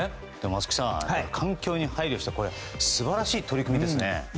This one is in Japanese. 松木さん、環境に配慮した素晴らしい取り組みですね。